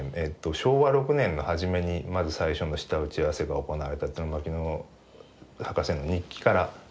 昭和６年の初めにまず最初の下打ち合わせが行われたというのが牧野博士の日記から分かります。